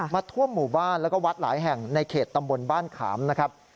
ท่วมหมู่บ้านแล้วก็วัดหลายแห่งในเขตตำบลบ้านขามนะครับ